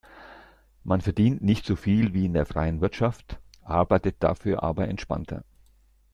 Man verdient nicht so viel wie in der freien Wirtschaft, arbeitet dafür aber entspannter.